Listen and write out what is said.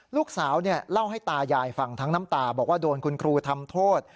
ลูกสาวเล่าให้ตายายฟังทั้งน้ำตาบอกว่าโดนคุณครูทำโทษ